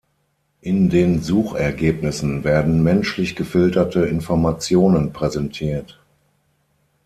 In den Suchergebnissen werden menschlich gefilterte Informationen präsentiert.